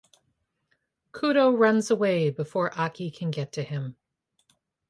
Kudoh runs away before Aki can get to him.